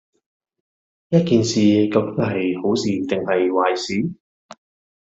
一件事究竟係好事定係壞事